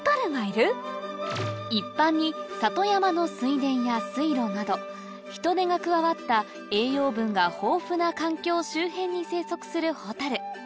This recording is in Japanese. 一般に里山の水田や水路など人手が加わった栄養分が豊富な環境周辺に生息するホタル